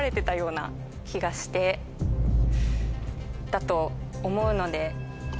だと思うので。